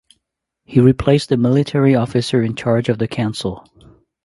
He replaced the military officer in charge of the council.